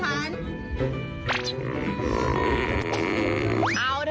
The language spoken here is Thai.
แฟนทันนะชิคกี้พายแฟนทัน